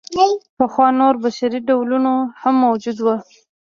پخوا نور بشري ډولونه هم موجود وو.